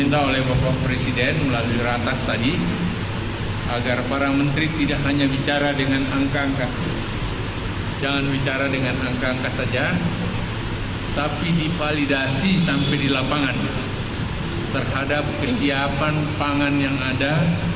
tidak terlalu berharga tapi dipalidasi sampai di lapangan terhadap kesiapan pangan yang ada